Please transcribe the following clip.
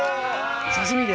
刺し身で。